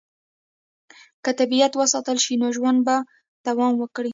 که طبیعت وساتل شي، نو ژوند به دوام وکړي.